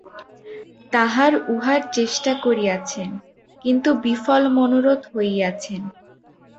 তাঁহারা উহার চেষ্টা করিয়াছেন, কিন্তু বিফলমনোরথ হইয়াছেন।